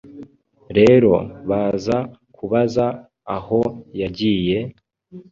Rero baza kubaza aho yagiye,